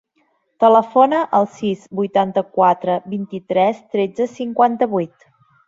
Telefona al sis, vuitanta-quatre, vint-i-tres, tretze, cinquanta-vuit.